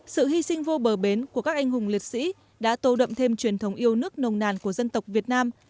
sự hy sinh vô bờ bến của các anh hùng liệt sĩ đã tô đậm thêm truyền thống yêu nước nồng nàn của dân tộc việt nam